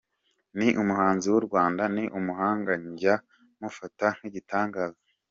Ni umuhanzi w’u Rwanda, ni umuhanga njye mufata nk’igitangaza.